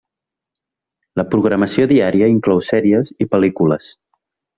La programació diària inclou sèries i pel·lícules.